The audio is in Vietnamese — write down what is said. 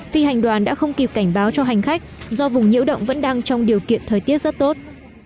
phi hành đoàn đã không kịp cảnh báo cho hành khách do vùng nhiễu động vẫn đang trong điều kiện thời tiết rất tốt